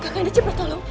kanda kanda cepet tolong